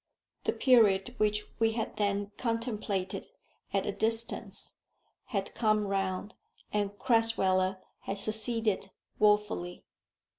The period which we had then contemplated at a distance had come round, and Crasweller had seceded wofully.